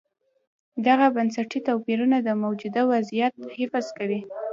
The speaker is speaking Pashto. دغه بنسټي توپیرونه د موجوده وضعیت حفظ کوي.